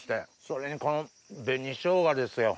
それにこの紅しょうがですよ。